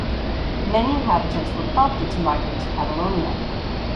Many inhabitants were prompted to migrate to Catalonia.